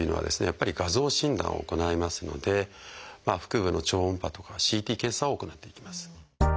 やっぱり画像診断を行いますので腹部の超音波とかＣＴ検査を行っていきます。